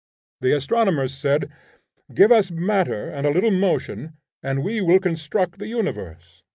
The astronomers said, 'Give us matter and a little motion and we will construct the universe.